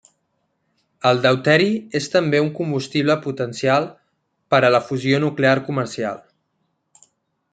El deuteri és també un combustible potencial per a la fusió nuclear comercial.